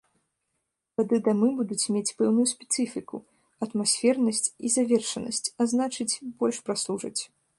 Тады дамы будуць мець пэўную спецыфіку, атмасфернасць і завершанасць, а значыць больш праслужаць.